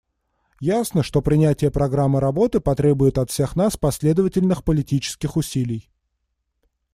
Ясно, что принятие программы работы потребует от всех нас последовательных политических усилий.